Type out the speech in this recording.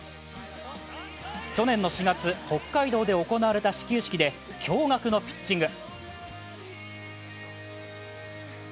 去年の４月、北海道で行われた始球式で驚がくのピッチング。